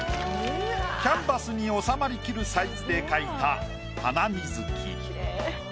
キャンバスに収まりきるサイズで描いたハナミズキ。